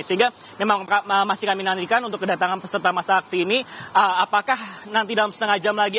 sehingga memang masih kami nantikan untuk kedatangan peserta masa aksi ini apakah nanti dalam setengah jam lagi